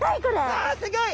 わあすギョい！